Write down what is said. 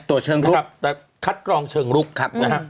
ตรวจเชิงรุกนะครับแต่คัดกรองเชิงรุกครับ